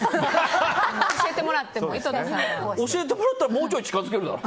教えてもらったらもうちょっと近づけるだろ！